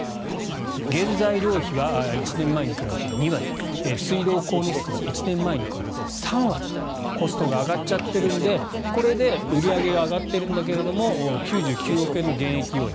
原材料費は１年前に比べて２割水道光熱費は１年前に比べて３割コストが上がっちゃっているのでこれで売り上げが上がっているけども９９億円の減益要因